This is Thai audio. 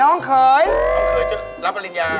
น้องเขยน้องเขยจะรับปริญญา